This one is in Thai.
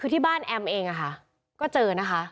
ที่บ้านแอมป์เองก็เจอนะคะ